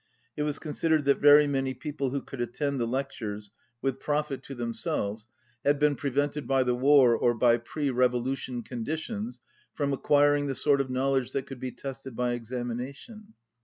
It was considered that very many people who could attend the lectures with profit to them 181 selves had been prevented by the war or by pre revolution conditions from acquiring the sort of knowledge that could be tested by examination.